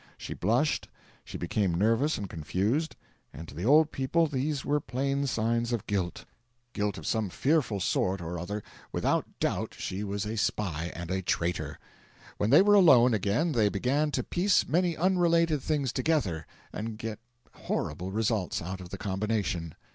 She blushed, she became nervous and confused, and to the old people these were plain signs of guilt guilt of some fearful sort or other without doubt she was a spy and a traitor. When they were alone again they began to piece many unrelated things together and get horrible results out of the combination.